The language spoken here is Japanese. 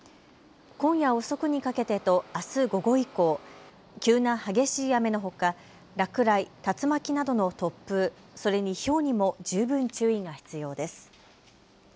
今夜遅くにかけてとあす午後以降、急な激しい雨のほか落雷、竜巻などの突風、それにひょうにも十分注意が必要です。